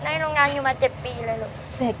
ในโรงงานอยู่มา๗ปีเลยลูก